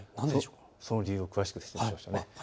その理由を詳しく説明しましょう。